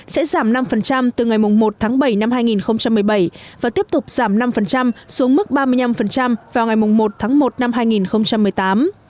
sẽ giảm năm từ ngày một tháng bảy năm hai nghìn một mươi bảy và tiếp tục giảm năm xuống mức ba mươi năm vào ngày một tháng một năm hai nghìn một mươi tám